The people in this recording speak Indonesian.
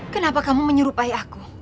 kenapa kamu menyerupai aku